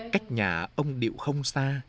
cách nhà ông điệu không xa